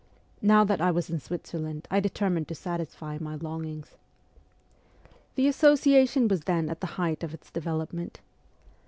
Now that I was in Switzer land I determined to satisfy my longings. The Association was then at the height of its development.